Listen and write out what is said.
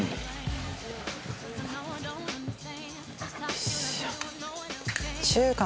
よいしょ！